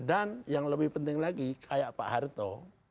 yang lebih penting lagi kayak pak harto